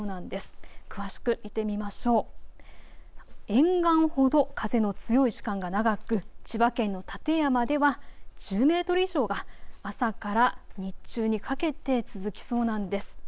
沿岸ほど風の強い時間が長く千葉県の館山では１０メートル以上が朝から日中にかけて続きそうなんです。